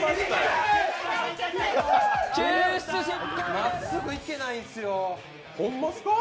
まっすぐいけないんすよ。